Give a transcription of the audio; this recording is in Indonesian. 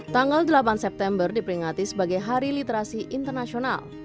tanggal delapan september diperingati sebagai hari literasi internasional